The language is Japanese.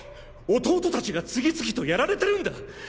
弟たちが次々とやられてるんだ！